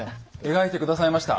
描いて下さいました。